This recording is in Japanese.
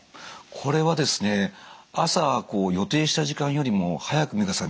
これはですね朝予定した時間よりも早く目が覚めてしまう。